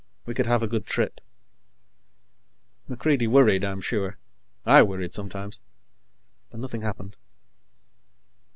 We could have a good trip. MacReidie worried, I'm sure. I worried, sometimes. But nothing happened.